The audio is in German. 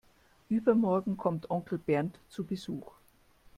Übermorgen kommt Onkel Bernd zu Besuch.